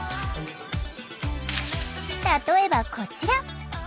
例えばこちら。